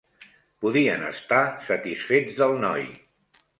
Podien estar satisfets del noi